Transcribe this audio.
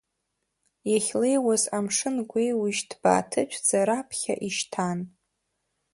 Иахьлеиуаз амшын гәеиужь ҭбаа-ҭыцәӡа раԥхьа ишьҭан.